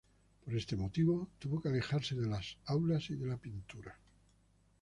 Por este motivo tuvo que alejarse de las aulas y de la pintura.